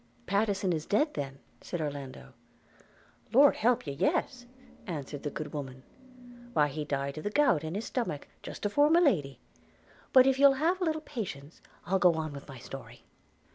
– 'Pattenson is dead then?' said Orlando. 'Lord help you, yes!' answered the good woman – 'Why he died of the gout in his stomach just afore my Lady – But if you'll have a little patience I'll go on with my story.